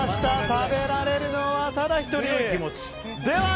食べられるのは、ただ１人！